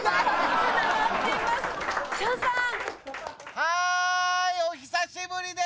はーいお久しぶりです。